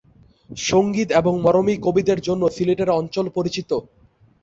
সংগীত এবং মরমী কবিদের জন্য সিলেট অঞ্চল পরিচিত।